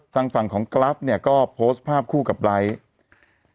ทางฝั่งของกราฟเนี่ยก็โพสต์ภาพคู่กับไลท์